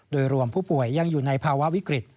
โดยรวมผู้ป่วยยังอยู่ในภาวะวิกฤต